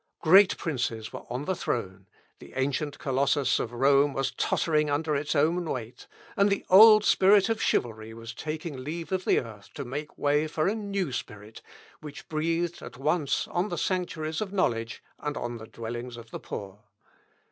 Great princes were on the throne, the ancient colossus of Rome was tottering under its own weight, and the old spirit of chivalry was taking leave of the earth to make way for a new spirit, which breathed at once on the sanctuaries of knowledge, and on the dwellings of the poor.